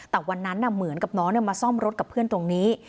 แต่วันนั้นเหมือนกับน้องมาซ่อมรถกับเพื่อนตรงนี้